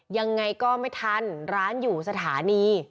ยังไงก็ไม่ทันร้านอยู่สถานี